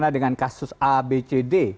dengan kasus abcd